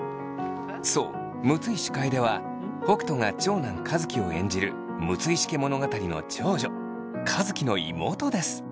そう六石楓は北斗が長男和樹を演じる「六石家物語」の長女和樹の妹です。